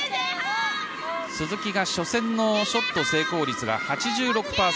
鈴木が初戦のショット成功率が８６％。